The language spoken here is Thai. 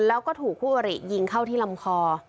แล้วก็ถูกคู่อริยิงเข้าที่ลำคอ